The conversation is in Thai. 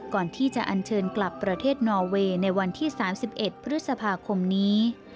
ก่อนที่จะอันเชิญกลับประเทศนอเวย์ในวันที่๓๑พฤษภาคมนี้